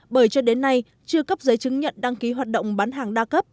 bởi cho đến nay chưa cấp giấy chứng nhận đăng ký hoạt động bán hàng đa cấp